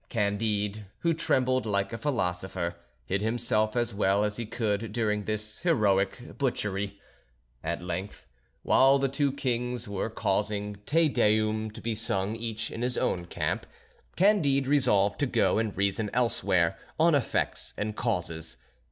Candide, who trembled like a philosopher, hid himself as well as he could during this heroic butchery. At length, while the two kings were causing Te Deum to be sung each in his own camp, Candide resolved to go and reason elsewhere on effects and causes.